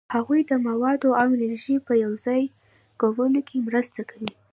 هغوی د موادو او انرژي په یوځای کولو کې مرسته کوي.